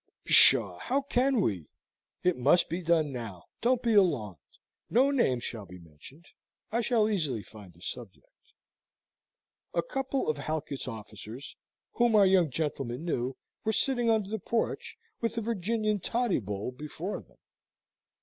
"Psha, how can we? It must be done now don't be alarmed. No names shall be mentioned I shall easily find a subject." A couple of Halkett's officers, whom our young gentlemen knew, were sitting under the porch, with the Virginian toddy bowl before them.